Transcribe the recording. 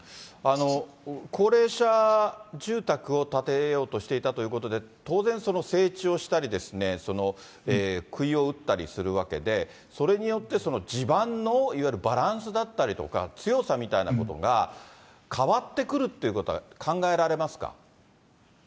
高齢者住宅を建てようとしていたということで、当然、その整地をしたり、くいを打ったりするわけで、それによって地盤のいわゆるバランスだったりとか、強さみたいなことが変わってくるってことは考えられますか？